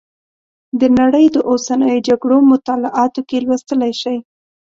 د نړۍ د اوسنیو جګړو مطالعاتو کې لوستلی شئ.